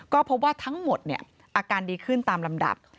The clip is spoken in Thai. ก็พบว่าทั้งหมดอาการดีขึ้นตามลำดับ